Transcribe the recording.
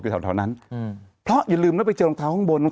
อยู่แถวนั้นอืมเพราะอย่าลืมแล้วไปเจอลองเท้าข้างบนลอง